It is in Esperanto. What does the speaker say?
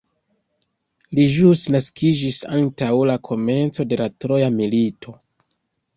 Li ĵus naskiĝis antaŭ la komenco de la troja milito.